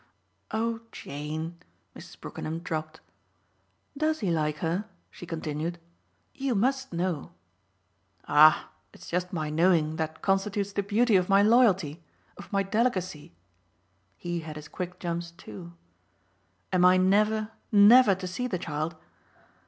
"Oh Jane!" Mrs. Brookenham dropped. "DOES he like her?" she continued. "You must know." "Ah it's just my knowing that constitutes the beauty of my loyalty of my delicacy." He had his quick jumps too. "Am I never, never to see the child?"